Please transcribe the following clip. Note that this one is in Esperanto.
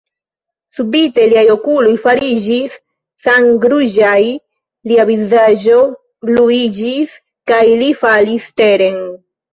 Subite liaj okuloj fariĝis sangruĝaj, lia vizaĝo bluiĝis, kaj li falis teren.